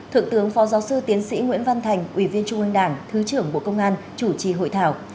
thượng tướng phó giáo sư tiến sĩ nguyễn văn thành ủy viên trung ương đảng thứ trưởng bộ công an chủ trì hội thảo